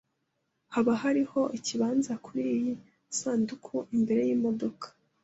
Hoba hariho ikibanza kuriyi sanduku imbere yimodoka?